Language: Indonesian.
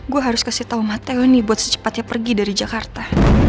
gue harus kasih tahu materio nih buat secepatnya pergi dari jakarta